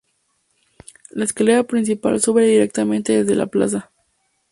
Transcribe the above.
La escalera principal sube directamente desde la plaza.